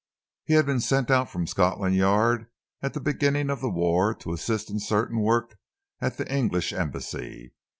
He had been sent out from Scotland Yard at the beginning of the war to assist in certain work at the English Embassy.